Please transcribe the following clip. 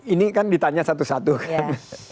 ini kan ditanya satu satu kan